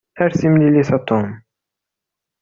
Ar timlilit a Tom.